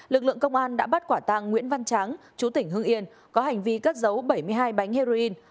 lực lượng công an đã bắt quả tàng nguyễn văn tráng chú tỉnh hưng yên có hành vi cất giấu bảy mươi hai bánh heroin